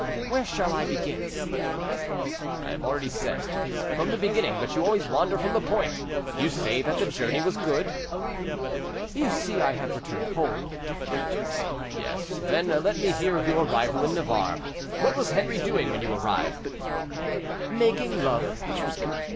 "Where shall I begin?" "I have already said, from the beginning; but you always wander from the point. You say that the journey was good?" "You see I have returned whole." "Yes; then let me hear of your arrival in Navarre. What was Henri doing when you arrived?" "Making love."